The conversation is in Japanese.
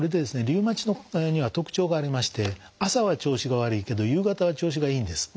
リウマチには特徴がありまして朝は調子が悪いけど夕方は調子がいいんです。